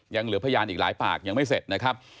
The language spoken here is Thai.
ยังเหลือพยานอีกหลายปากยังไม่เสร็จนะครับ